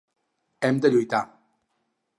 Hem de lluitar.